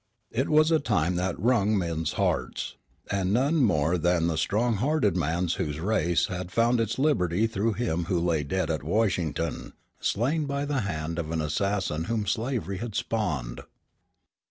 It was a time that wrung men's hearts, and none more than the strong hearted man's whose race had found its liberty through him who lay dead at Washington, slain by the hand of an assassin whom slavery had spawned.